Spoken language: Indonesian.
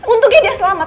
untuk gide selamat